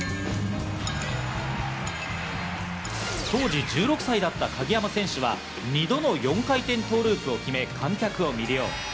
当時１６歳だった鍵谷選手は二度の４回転トーループを決め、観客を魅了。